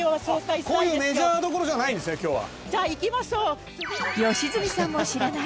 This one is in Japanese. こういうメジャーどころじゃないんですね今日は。